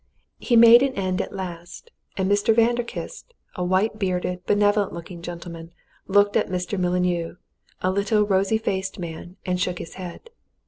He made an end at last and Mr. Vanderkiste, a white bearded, benevolent looking gentleman, looked at Mr. Mullineau, a little, rosy faced man, and shook his head.